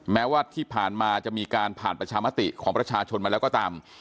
แม้ว่าที่ผ่านมาจะมีการผ่านประชามติของประชาชนมาแล้วก็ตาม